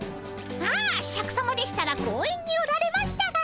ああシャクさまでしたら公園におられましたが。